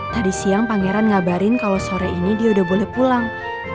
tadi siang pangeran ngabarin kalau sore ini dia udah boleh pulang